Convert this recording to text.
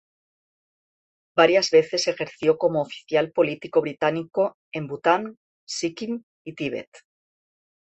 Varias veces ejerció como oficial político británico en Bután, Sikkim y Tibet.